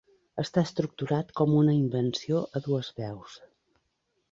Està estructurat com una invenció a dues veus.